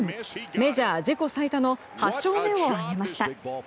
メジャー自己最多の８勝目を挙げました。